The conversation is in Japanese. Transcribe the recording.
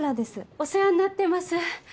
お世話になってます。